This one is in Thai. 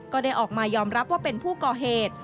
ก็ได้ออกมายอมรับว่าเป็นผู้ก่อเหตุ